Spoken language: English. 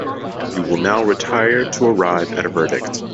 You will now retire to arrive at a verdict.